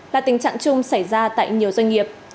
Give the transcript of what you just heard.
là tình trạng chung xảy ra tại nhiều doanh nghiệp